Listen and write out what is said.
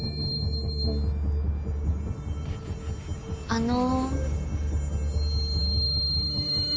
あの。